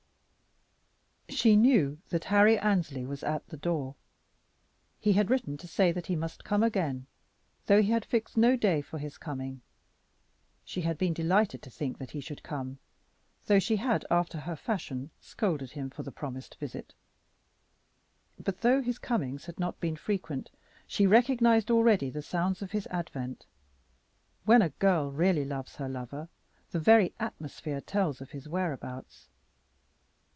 She knew that Harry Annesley was at the door. He had written to say that he must come again, though he had fixed no day for his coming. She had been delighted to think that he should come, though she had after her fashion, scolded him for the promised visit. But, though his comings had not been frequent, she recognized already the sounds of his advent. When a girl really loves her lover, the very atmosphere tells of his whereabouts.